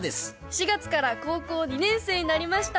４月から高校２年生になりました。